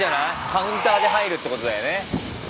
カウンターで入るってことだよね。